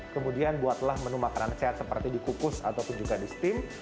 kemudian buatlah menu makanan sehat seperti dikukus ataupun juga di steam